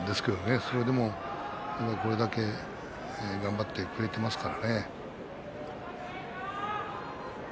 それでもこれだけ頑張ってくれていますから。